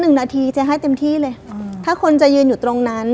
หนึ่งนาทีเจ๊ให้เต็มที่เลยอืมถ้าคนจะยืนอยู่ตรงนั้น